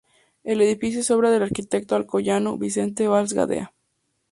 El edificio es obra del arquitecto alcoyano Vicente Valls Gadea.